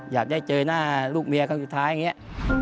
อยากได้เจอหน้าลูกเมียครั้งสุดท้ายอย่างนี้